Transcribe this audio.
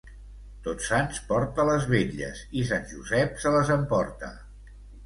Tots Sants porta les vetlles i Sant Josep se les emporta.